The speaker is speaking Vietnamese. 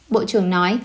bộ trưởng nói